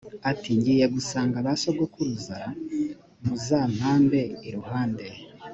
ati ngiye gusanga ba sogokuruza muzampambe iruhande